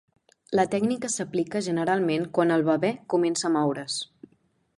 La tècnica s'aplica generalment quan el bebè comença a moure's.